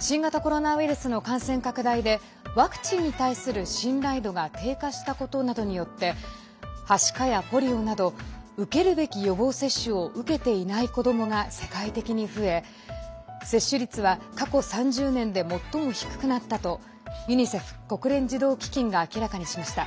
新型コロナウイルスの感染拡大でワクチンに対する信頼度が低下したことなどによってはしかやポリオなど受けるべき予防接種を受けていない子どもが世界的に増え接種率は過去３０年で最も低くなったとユニセフ＝国連児童基金が明らかにしました。